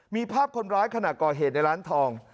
มีภาพคนร้ายขณะก่อเหตุในร้านทอง